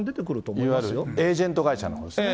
いわゆるエージェント会社のほうですね。